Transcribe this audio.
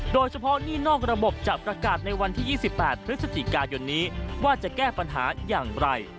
หนี้นอกระบบจะประกาศในวันที่๒๘พฤศจิกายนนี้ว่าจะแก้ปัญหาอย่างไร